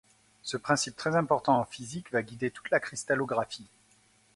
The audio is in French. Ce principe très important en physique va guider toute la cristallographie.